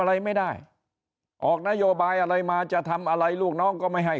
อะไรไม่ได้ออกนโยบายอะไรมาจะทำอะไรลูกน้องก็ไม่ให้